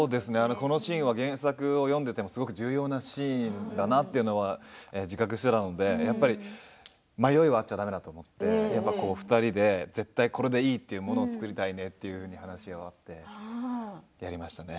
このシーンは原作を読んでいてもすごく重要なシーンだなということを自覚していたので迷いはあっちゃだめだと思って２人で絶対にこれでいいというものを作りたいねということを話し合ってやりましたね。